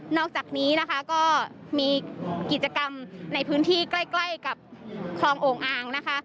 อกจากนี้นะคะก็มีกิจกรรมในพื้นที่ใกล้ใกล้กับคลองโอ่งอางนะคะ